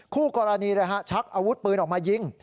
คู่กรณีชักอาวุธปืนออกมายิง